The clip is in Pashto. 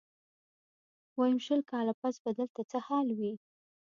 ويم شل کاله پس به دلته څه حال وي.